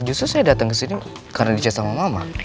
justru saya datang kesini karena dicat sama mama